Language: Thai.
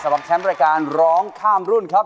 สำหรับแชมป์รายการร้องข้ามรุ่นครับ